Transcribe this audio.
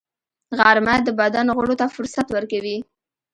غرمه د بدن غړو ته فرصت ورکوي